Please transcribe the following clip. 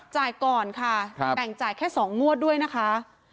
จ่ายก่อนค่ะแบ่งจ่ายแค่๒งวดด้วยนะคะ